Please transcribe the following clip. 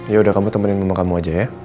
yaudah kamu temenin mama kamu aja ya